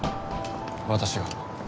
私が。